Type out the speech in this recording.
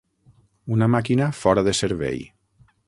Una màquina fora de servei.